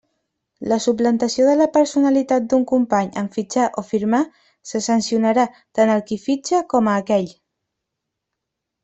La suplantació de la personalitat d'un company en fitxar o firmar, se sancionarà tant el qui fitxa com a aquell.